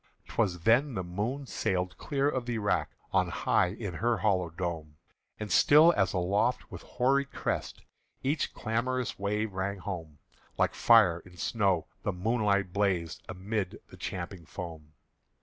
'T was then the moon sailed clear of the rack On high in her hollow dome; And still as aloft with hoary crest Each clamorous wave rang home, Like fire in snow the moonlight blazed Amid the champing foam.